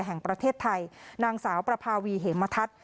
แห่งประเทศไทยนางสาวประภาวีเหมทัศน์